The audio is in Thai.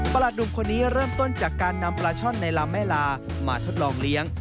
หลัดหนุ่มคนนี้เริ่มต้นจากการนำปลาช่อนในลำแม่ลามาทดลองเลี้ยง